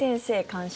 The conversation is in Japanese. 監修